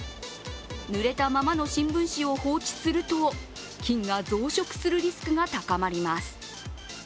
ぬれたままの新聞紙を放置すると菌が増殖するリスクが高まります。